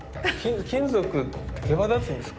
金属けばだつんですか？